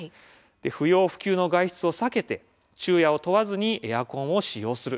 不要不急の外出を避けて昼夜を問わずにエアコンを使用する。